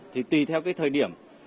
thì tùy theo cái thời điểm